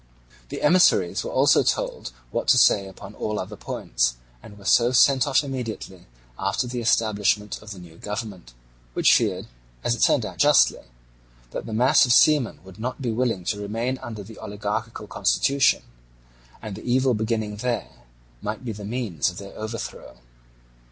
The emissaries were also told what to say upon all other points, and were so sent off immediately after the establishment of the new government, which feared, as it turned out justly, that the mass of seamen would not be willing to remain under the oligarchical constitution, and, the evil beginning there, might be the means of their overthrow.